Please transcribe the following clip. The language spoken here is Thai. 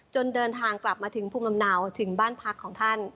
เดินทางกลับมาถึงภูมิลำเนาถึงบ้านพักของท่าน